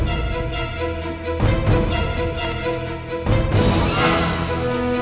dan menang immernot trong ketua kraker kamu